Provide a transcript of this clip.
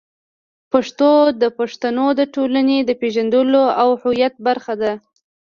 پښتو د پښتنو د ټولنې د پېژندلو او هویت برخه ده.